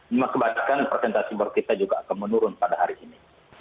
memang kebanyakan persentase baru kita juga akan menurun pada hari ini